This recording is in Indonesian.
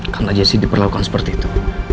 karena jessi diperlakukan seperti itu